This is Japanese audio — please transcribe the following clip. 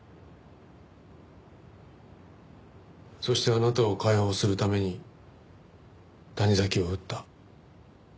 そしてあなたを解放するために谷崎を撃った。